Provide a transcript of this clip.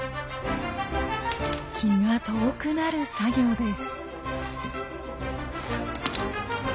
気が遠くなる作業です！